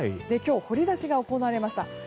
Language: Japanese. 今日、掘り出しが行われました。